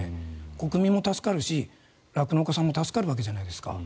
国民も助かるし酪農家さんも助かるわけじゃないですか。